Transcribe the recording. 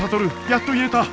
やっと言えた！